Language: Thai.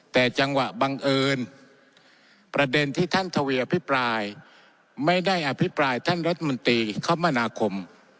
แต่จังหวะบังเอิญประเด็นที่ท่านทวีอภิปรายไม่ได้อภิปรายท่านรัฐมนตรีคมนาคม